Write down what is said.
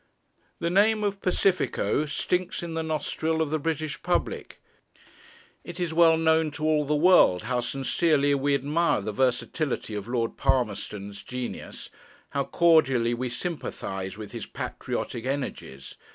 'The name of Pacifico stinks in the nostril of the British public. It is well known to all the world how sincerely we admire the vers_i_tility of Lord Palmerston's genius; how cordially we s_i_mpathize with his patriotic energies.